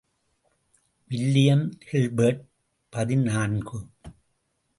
William Gilbert பதினான்கு .